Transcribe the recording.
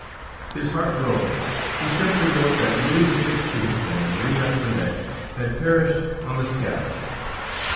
His heart broken, he simply wrote that Louis XVI. and Marie Antoinette had perished on the scaffold.